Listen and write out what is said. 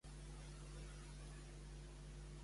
Diverses conserves de tomàtiga es faran a Fred i Calent.